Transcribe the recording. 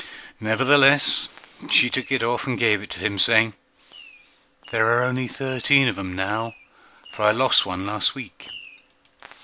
Nevertheless she took it off and gave it him, saying, "There are only thirteen of 'em now, for I lost one last week."